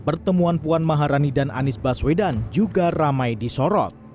pertemuan puan maharani dan anies baswedan juga ramai disorot